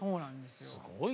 すごい。